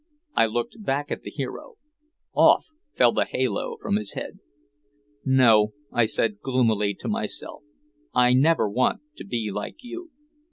I looked back at the hero. Off fell the halo from his head. "No," I said gloomily to myself, "I never want to be like you."